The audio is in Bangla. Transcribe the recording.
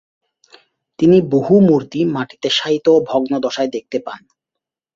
তিনি বহু মূর্তি মাটিতে শায়িত ও ভগ্নদশায় দেখতে পান।